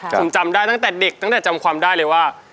ผมจำได้ตั้งแต่เด็กตั้งแต่จำความได้เลยว่า